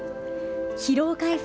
疲労回復